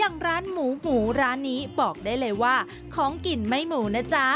อย่างร้านหมูหมูร้านนี้บอกได้เลยว่าของกินไม่หมูนะจ๊ะ